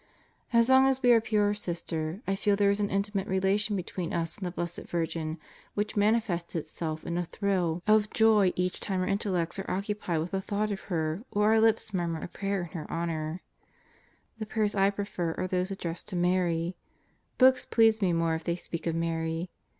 As long as we are pure, Sister, I feel there is an intimate relation between us and the Blessed Virgin which manifests itself in a thrill 122 God Goes to Murderer's Row of joy each time our intellects are occupied with a thought of her or our lips murmur a prayer in her honor. The prayers I prefer are those addressed to Mary. Books please me more if they speak of Mary.